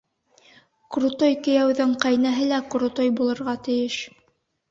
Крутой кейәүҙең ҡәйнәһе лә крутой булырға тейеш.